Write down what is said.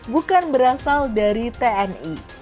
bukan berasal dari tni